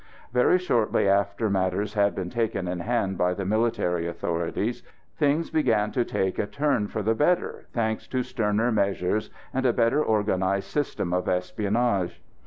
Very shortly after matters had been taken in hand by the military authorities things began to take a turn for the better, thanks to sterner measures and a better organised system of espionnage.